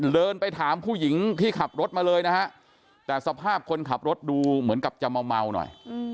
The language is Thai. เดินไปถามผู้หญิงที่ขับรถมาเลยนะฮะแต่สภาพคนขับรถดูเหมือนกับจะเมาหน่อย